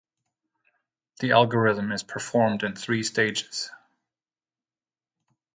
The algorithm is performed in three stages.